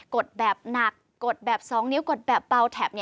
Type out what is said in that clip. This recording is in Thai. ดแบบหนักกดแบบ๒นิ้วกดแบบเบาแถบ